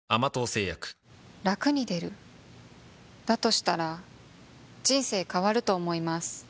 したら人生変わると思います